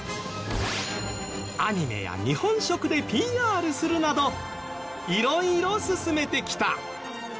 アニメや日本食で ＰＲ するなど色々進めてきた